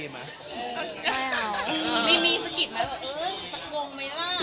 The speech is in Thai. ไม่เอา